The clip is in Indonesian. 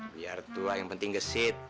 biar tua yang penting gesit